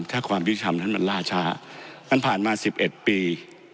ถ้าความยุติธรรมนั้นมันล่าช้ามันผ่านมา๑๑ปี